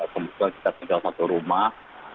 kebetulan kita tinggal satu rumah